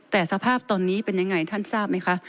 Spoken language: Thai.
แต่สภาพตอนนี้เป็นยังไงท่านทราบไหมคะ